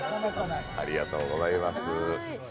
ありがとうございます。